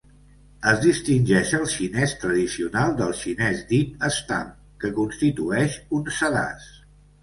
Es distingeix el xinès tradicional del xinès dit estam, que constitueix un sedàs.